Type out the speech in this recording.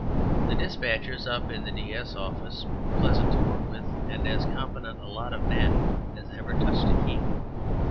The despatchers up in "DS" office were pleasant to work with and as competent a lot of men as ever touched a key.